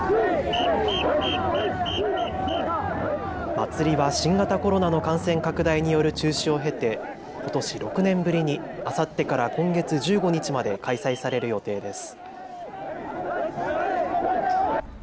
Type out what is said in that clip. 祭りは新型コロナの感染拡大による中止を経てことし６年ぶりにあさってから今月１５日まで開催される予定です。